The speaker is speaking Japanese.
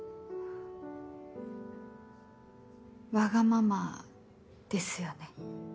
わがままですよね。